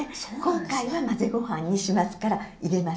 今回は混ぜご飯にしますから入れません。